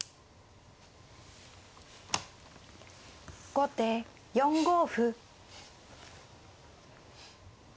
後手４五歩。